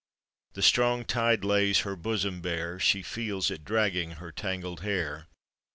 The strong tide lays her bofom bare, She feels it dragging her tangled hair.